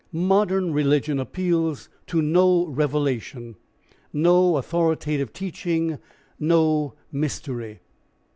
Modern religion appeals to no revelation, no authoritative teaching, no mystery.